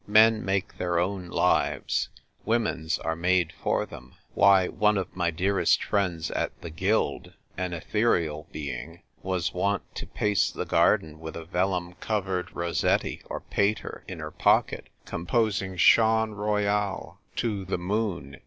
Men make their own lives, women's are made for them. Why, one of my dearest friends at the Guild — an ethereal being — was wont to pace the garden with a vellum covered Rossetti or Pater in her pocket, composing chants royal Lo the moon CONCERNING ROMEO.